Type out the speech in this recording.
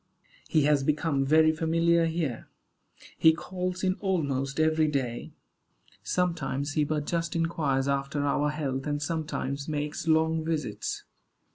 He has become very familiar here. He calls in almost every day. Sometimes he but just inquires after our health, and sometimes makes long visits.